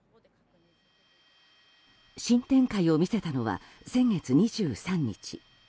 新展開を見せたのは先月２３日。